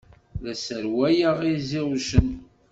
La sserwaleɣ iẓiwcen.